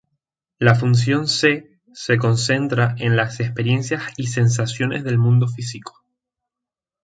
La función Se se concentra en las experiencias y sensaciones del mundo físico.